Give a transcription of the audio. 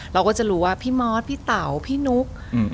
เราก็จะรู้ว่าพี่มอสพี่เต๋าพี่นุ๊ก